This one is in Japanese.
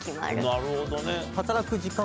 なるほどね。